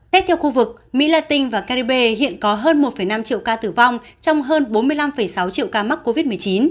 tiếp theo khu vực mỹ latin và caribe hiện có hơn một năm triệu ca tử vong trong hơn bốn mươi năm sáu triệu ca mắc covid một mươi chín